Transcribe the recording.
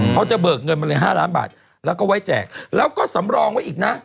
เขาจะเบิกเงินมาเลย๕ล้านบาทแล้วก็ไว้แจกแล้วก็สำรองไว้อีกนะ